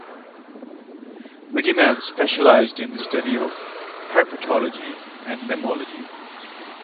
Weigmann specialized in the study of herpetology and mammalogy.